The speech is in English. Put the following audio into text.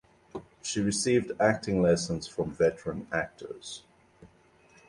She received acting lessons from veteran actors.